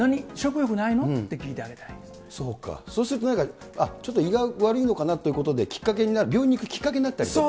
そうか、そうするとなんか、ちょっと胃が悪いのかなっていうことで、きっかけになる、病院に行くきっかけになったりとか。